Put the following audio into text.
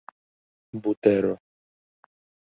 butero